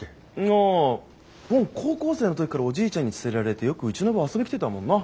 ああボン高校生の時からおじいちゃんに連れられてよくうちの部遊び来てたもんな。